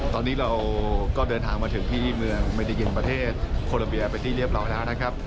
ตอนนี้เราก็เดินทางมาถึงที่เมืองเมดินประเทศโคลัมเบียเป็นที่เรียบร้อยแล้วนะครับ